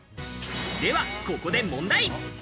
ではここで問題。